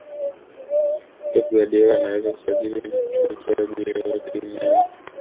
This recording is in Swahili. pep guardiola anaweza kumsajili mchezaji yeyote duniani